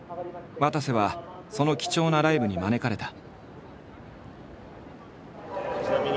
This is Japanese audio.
わたせはその貴重なライブに招かれた。